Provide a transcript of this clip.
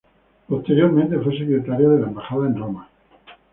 Posteriormente fue secretario de la embajada en Roma.